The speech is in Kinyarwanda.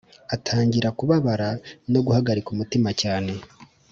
atangira kubabara no guhagarika umutima cyane